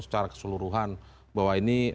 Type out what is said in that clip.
secara keseluruhan bahwa ini